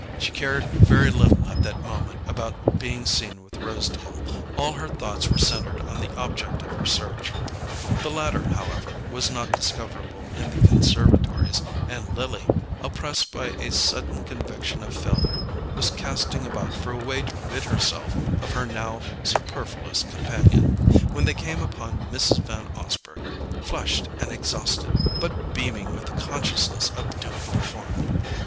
She cared very little at that moment about being seen with Rosedale: all her thoughts were centred on the object of her search. The latter, however, was not discoverable in the conservatories, and Lily, oppressed by a sudden conviction of failure, was casting about for a way to rid herself of her now superfluous companion, when they came upon Mrs. Van Osburgh, flushed and exhausted, but beaming with the consciousness of duty performed.